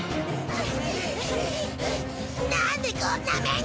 なんでこんな目に。